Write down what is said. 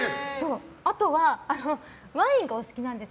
あとは、ワインがお好きなんです。